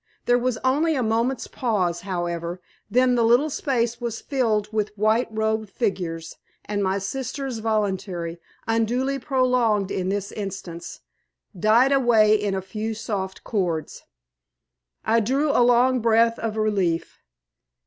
There was only a moment's pause, however, then the little space was filled with white robed figures, and my sister's voluntary, unduly prolonged in this instance, died away in a few soft chords. I drew a long breath of relief.